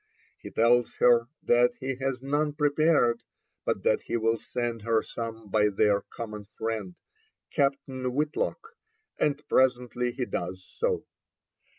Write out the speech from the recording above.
He tells her that he has none prepared, but that he will send her some by their common friend Captain Whitlock, and presently he does so.